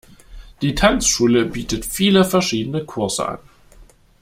Die Tanzschule bietet viele verschiedene Kurse an.